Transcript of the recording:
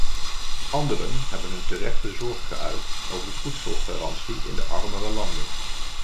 Anderen hebben hun terechte zorg geuit over de voedselgarantie in de armere landen.